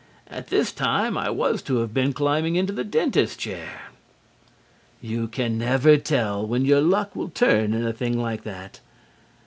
At this time I was to have been climbing into the dentist's chair!" You never can tell when your luck will turn in a thing like that.